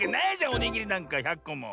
おにぎりなんか１００こも。